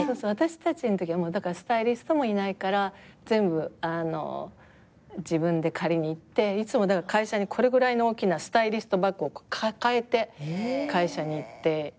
私たちのときはスタイリストもいないから全部自分で借りに行っていつも会社にこれぐらいの大きなスタイリストバッグを抱えて会社に行って。